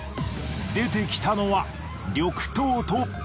出てきたのは。